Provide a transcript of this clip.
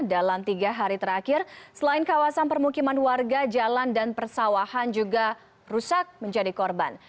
dalam tiga hari terakhir selain kawasan permukiman warga jalan dan persawahan juga rusak menjadi korban